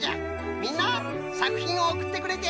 みんなさくひんをおくってくれてありがとうのう！